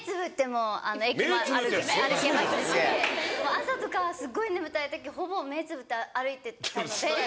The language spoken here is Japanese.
朝とかすごい眠たい時ほぼ目つぶって歩いてたので。